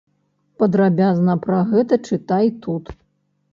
Падрабязна пра гэта чытай тут.